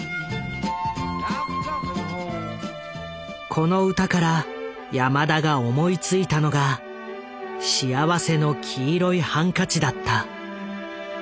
この歌から山田が思いついたのが「幸福の黄色いハンカチ」だった。